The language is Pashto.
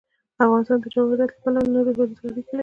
افغانستان د جواهرات له پلوه له نورو هېوادونو سره اړیکې لري.